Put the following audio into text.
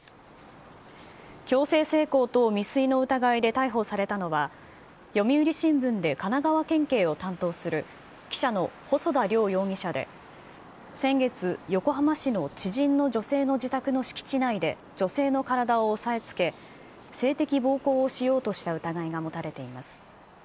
強制性交等未遂の疑いで逮捕されたのは、読売新聞で神奈川県警を担当する記者の細田凌容疑者で、先月、横浜市の知人の女性の自宅の敷地内で女性の体を押さえつけ、性的暴行をしようとした疑いが持たれています。